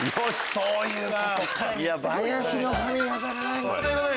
そういうことか。